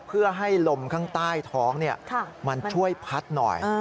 เพื่อให้ลมข้างใต้ท้องมันช่วยพัดหน่อย